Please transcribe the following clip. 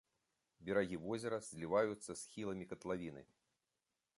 Берагі возера зліваюцца з схіламі катлавіны.